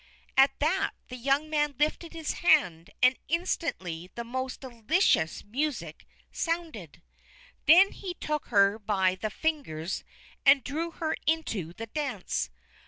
At that the young man lifted his hand, and instantly the most delicious music sounded. Then he took her by the fingers and drew her into the dance.